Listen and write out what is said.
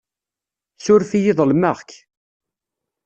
Suref-iyi ḍelmeɣ-k.